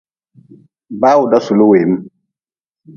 Bawda suli weem.